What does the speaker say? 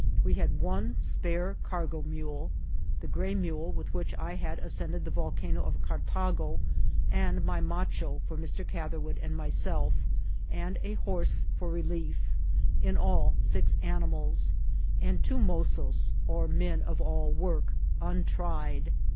We had one spare cargo mule ; the gray mule with which I had ascended the Volcano of Cartago and my macho for Mr. Catherwood and myself, and a horse for relief, in all six animals ; and two mozos, or men of all work, untried.